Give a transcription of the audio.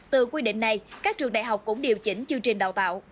từ quy định này các trường đại học cũng điều chỉnh chương trình đào tạo